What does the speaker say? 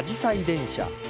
電車。